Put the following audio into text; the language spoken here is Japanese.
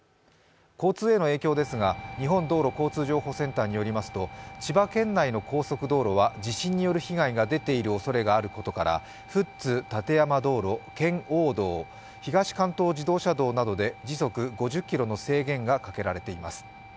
交通への影響ですが日本道路交通情報センターによりますと千葉県内の高速道路は地震による被害が出ているおそれもあることから富津館山道路、圏央道、東関東自動車道などで時速５０キロの速度制限がかかっています。